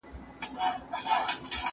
په ژوند کې هر انسان ستونزو سره مخ کیږي.